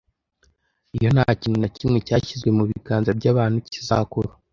Iyo nta kintu na kimwe cyashizwe mu biganza by'abantu kizakura